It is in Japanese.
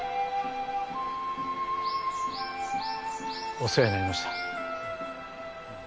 お世話になりました。